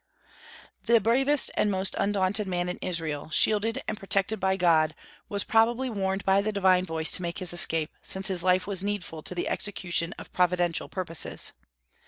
The bravest and most undaunted man in Israel, shielded and protected by God, was probably warned by the divine voice to make his escape, since his life was needful to the execution of Providential purposes.